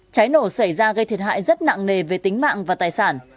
cháy nổ xảy ra gây thiệt hại rất nặng nề về tính mạng và tài sản